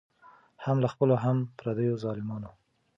هم له خپلو هم پردیو ظالمانو